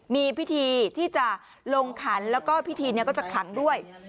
มีพิธีที่จะลงขันแล้วก็พิธีนี้ก็จะขลังด้วย